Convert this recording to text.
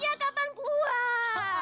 ya kapan keluar